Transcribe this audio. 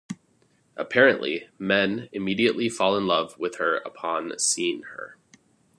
Apparently, men immediately fall in love with her upon seeing her.